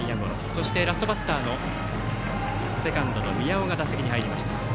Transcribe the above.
そしてラストバッターのセカンドの宮尾が打席に入りました。